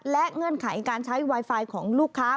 และเงื่อนไขการใช้ไวไฟของลูกค้า